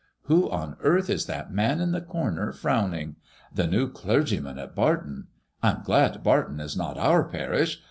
Who on earth is that man in the comer, frowning? The new clergyman at Barton. I am glad Barton is not our parish.